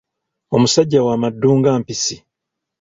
Omusajja wa maddu nga Empisi.